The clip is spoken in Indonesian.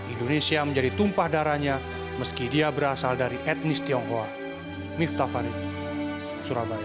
indonesia menjadi tumpah darahnya meski dia berasal dari etnis tionghoa miftah farid surabaya